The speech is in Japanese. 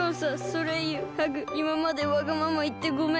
ソレイユハグいままでわがままいってごめん。